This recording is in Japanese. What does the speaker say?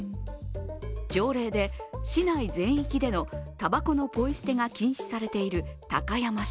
条例で市内全域でのたばこのポイ捨てが禁止されている高山市。